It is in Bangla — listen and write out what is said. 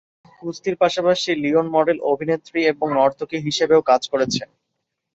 কুস্তির পাশাপাশি লিওন মডেল, অভিনেত্রী এবং নর্তকী হিসাবেও কাজ করেছেন।